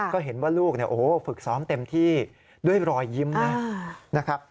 ก็เห็นว่าลูกฝึกซ้อมเต็มที่ด้วยรอยยิ้มนะครับ